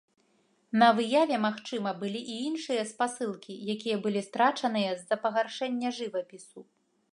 На выяве, магчыма, былі і іншыя спасылкі, якія былі страчаныя з-за пагаршэння жывапісу.